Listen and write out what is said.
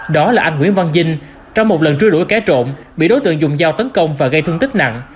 đó là anh nguyễn văn vinh trong một lần trưa đuổi kẻ trộn bị đối tượng dùng dao tấn công và gây thương tích nặng